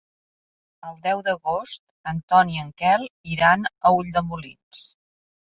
El deu d'agost en Ton i en Quel iran a Ulldemolins.